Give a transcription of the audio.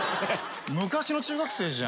昔の中学生じゃん。